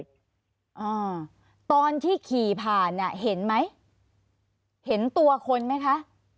อ่าตอนที่ขี่ผ่านเนี้ยเห็นไหมเห็นตัวคนไหมคะ